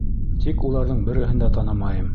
Тик уларҙың береһен дә танымайым.